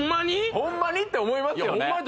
ホンマに？って思いますよね